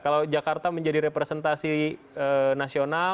kalau jakarta menjadi representasi nasional